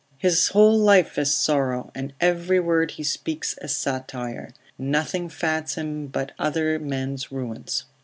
His whole life is sorrow, and every word he speaks a satire: nothing fats him but other men's ruins.